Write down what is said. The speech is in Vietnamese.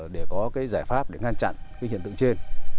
để có cái giải pháp để ngăn chặn cái hiện tượng trên